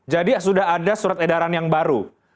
jadi sudah ada surat edaran yang baru